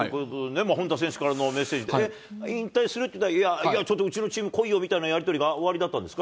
本田選手からのメッセージで、引退するって言ったら、いや、ちょっとうちのチーム来いよみたいなやり取りがおありだったんですか？